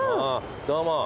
どうも。